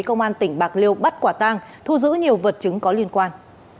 công an tỉnh bạc liêu bắt quả tang thu giữ nhiều vật chứng có liên quan